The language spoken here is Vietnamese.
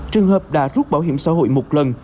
trường hợp đã rút bảo hiểm xã hội một lần